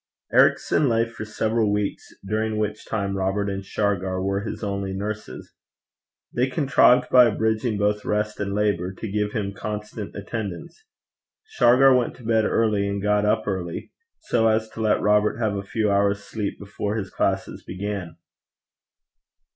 Ericson lay for several weeks, during which time Robert and Shargar were his only nurses. They contrived, by abridging both rest and labour, to give him constant attendance. Shargar went to bed early and got up early, so as to let Robert have a few hours' sleep before his classes began.